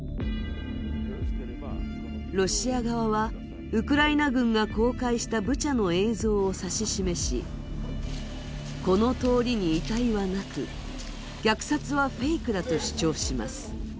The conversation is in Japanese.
ロシア側はウクライナ軍が公開したブチャの映像を指し示し、この通りに遺体はなく、虐殺はフェイクだと主張します。